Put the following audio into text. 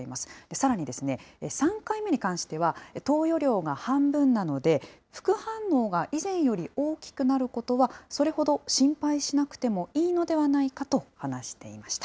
さらに３回目に関しては、投与量が半分なので、副反応が以前より大きくなることは、それほど心配しなくてもいいのではないかと話していました。